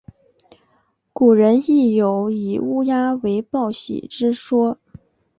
古人亦有以乌鸦为报喜之说。